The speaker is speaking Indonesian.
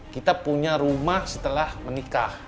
kita punya rumah setelah menikah